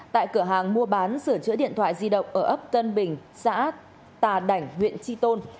bằng mua bán sửa chữa điện thoại di động ở ấp tân bình xã tà đảnh huyện tri tôn